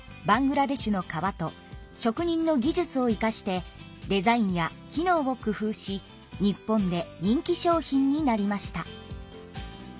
バングラデシュのかわと職人の技術を生かしてデザインや機能を工夫し日本で人気商品になりました。